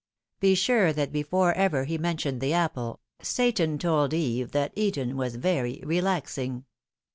Be sure that before ever he mentioned the apple, Satan told Eve that Eden was very re laxing.